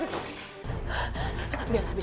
bella bella jangan